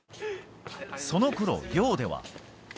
そのころ、寮では。